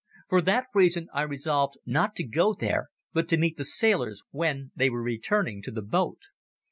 For that reason I resolved not to go there but to meet the sailors when they were returning to the boat.